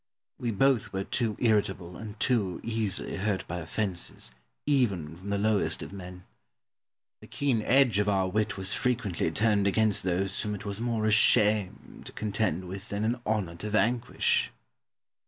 We both were too irritable and too easily hurt by offences, even from the lowest of men. The keen edge of our wit was frequently turned against those whom it was more a shame to contend with than an honour to vanquish.